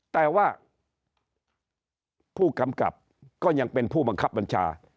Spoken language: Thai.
แต่ว่าผู้กำกับก็ยังเป็นผู้บังคับบัญชา